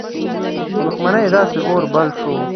دښمنۍ داسي اور بل شو.